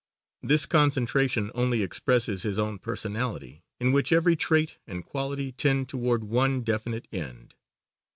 This concentration only expresses his own personality, in which every trait and quality tend toward one definite end.